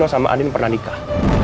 nino sama andin pernah nikah